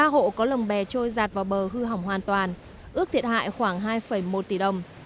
ba hộ có lồng bè trôi giạt vào bờ hư hỏng hoàn toàn ước thiệt hại khoảng hai một tỷ đồng